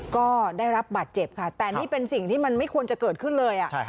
ก็ได้รับบาดเจ็บค่ะแต่นี่เป็นสิ่งที่มันไม่ควรจะเกิดขึ้นเลย